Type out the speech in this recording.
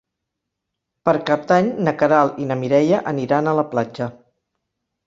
Per Cap d'Any na Queralt i na Mireia aniran a la platja.